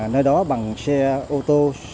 nơi đó bằng xe ô tô